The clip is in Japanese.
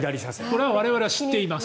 これは我々は知っています。